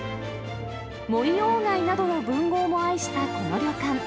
森鴎外などの文豪も愛したこの旅館。